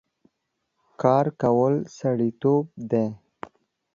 کار کول سړيتوب دی